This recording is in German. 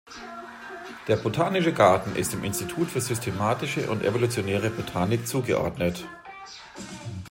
Der Botanische Garten ist dem Institut für Systematische und Evolutionäre Botanik zugeordnet.